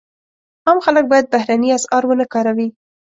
عام خلک باید بهرني اسعار ونه کاروي.